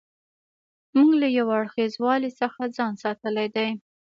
موږ له یو اړخیزوالي څخه ځان ساتلی دی.